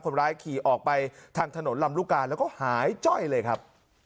คนร้ายขี่ออกไปทางถนนลำลูกกาแล้วก็หายจ้อยเลยครับ